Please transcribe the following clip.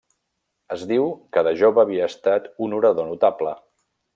Es diu que de jove havia estat un orador notable.